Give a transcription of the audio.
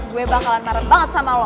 gue bakalan maret banget sama lo